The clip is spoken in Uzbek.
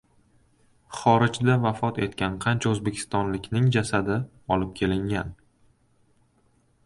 Xorijda vafot etgan qancha o‘zbekistonlikning jasadi olib kelingan?